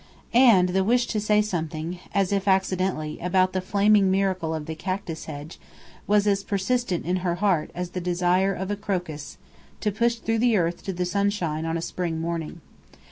And the wish to say something, as if accidentally, about the flaming miracle of the cactus hedge was as persistent in her heart as the desire of a crocus to push through the earth to the sunshine on a spring morning.